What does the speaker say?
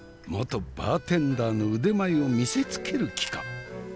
元バーテンダーの腕前を見せつける気か？